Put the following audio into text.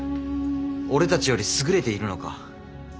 俺たちより優れているのか。